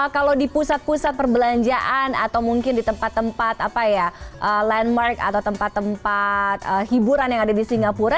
kalau di pusat pusat perbelanjaan atau mungkin di tempat tempat apa ya landmark atau tempat tempat hiburan yang ada di singapura